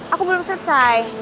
aku belum selesai